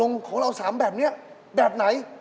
แล้วตรงอนของเราสามแบบนี่แบบไหน